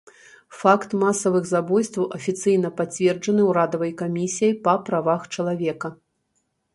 Факт масавых забойстваў афіцыйна пацверджаны ўрадавай камісіяй па правах чалавека.